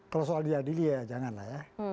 kalau soal diadili ya jangan lah ya